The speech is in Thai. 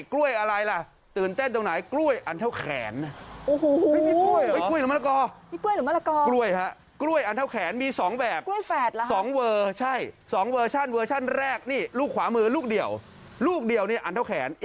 กล้วยอะไรล่ะตื่นเต้นตรงไหนกล้วยอันเท่าแขน